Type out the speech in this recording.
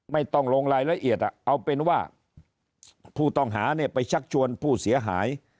ไม่ต้องลงรายละเอียดเอาเป็นว่าผู้ต้องหาเนี่ยไปชักชวนผู้เสียหาย